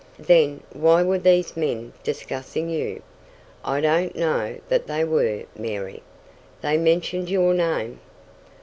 "Then why were these men discussing you?" "I don't know that they were, Mary." "They mentioned your name."